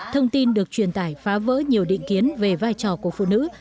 thông tin được truyền tải phá vỡ nhiều định kiến về vai trò của phụ nữ